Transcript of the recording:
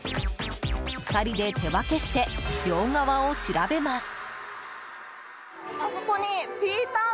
２人で手分けして両側を調べます。